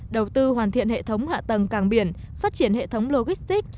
đầu tư hoàn thiện hệ thống hạ tầng cảng biển phát triển hệ thống logistic